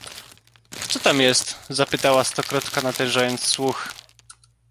"„Co tam jest?“ zapytała Stokrotka, natężając słuch."